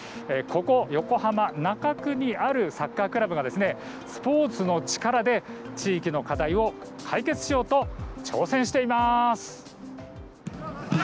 ここ横浜中区にあるサッカークラブはスポーツの力で地域の課題を解決しようと挑戦しています。